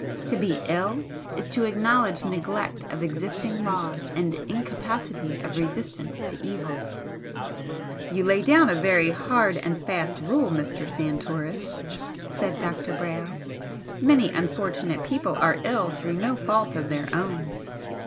To be ill is to acknowledge neglect of existing laws and incapacity of resistance to evil." "You lay down a very hard and fast rule, Mr. Santoris" said Dr. Brayle "Many unfortunate people are ill through no fault of their own."